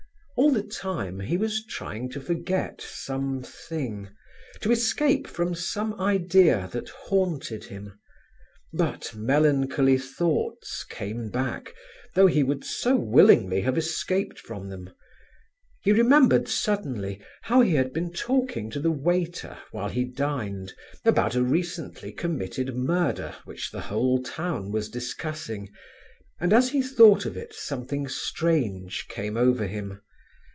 All the time he was trying to forget some thing, to escape from some idea that haunted him; but melancholy thoughts came back, though he would so willingly have escaped from them. He remembered suddenly how he had been talking to the waiter, while he dined, about a recently committed murder which the whole town was discussing, and as he thought of it something strange came over him.